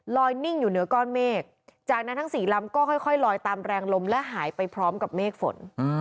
นิ่งอยู่เหนือก้อนเมฆจากนั้นทั้งสี่ลำก็ค่อยลอยตามแรงลมและหายไปพร้อมกับเมฆฝน